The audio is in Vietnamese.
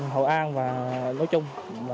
hội an và nói chung